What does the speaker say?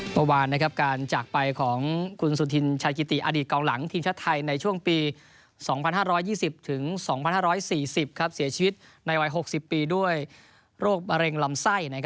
เมื่อวานการจากไปของคุณสุธินชายกิติอดีตกองหลังทีมชาติไทยในช่วงปี๒๕๒๐๒๕๔๐เสียชีวิตในวัย๖๐ปีด้วยโรคมะเร็งลำไส้